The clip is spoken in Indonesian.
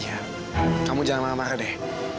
ya kamu jangan marah marah deh